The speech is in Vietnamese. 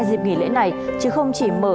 hai dịp nghỉ lễ này chứ không chỉ mở